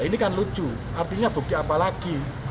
ini kan lucu artinya bukti apa lagi